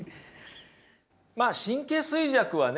まあ神経衰弱はね